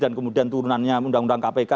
dan kemudian turunannya undang undang kpk